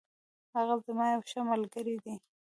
هغه زما یو ښه ملگری دی.